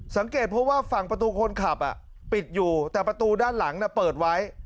สังเกตเพราะว่าฝั่งประตูคนขับปิดอยู่แต่ประตูด้านหลังเปิดไว้